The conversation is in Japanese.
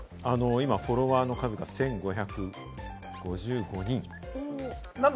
今、フォロワーの数が１５５５人。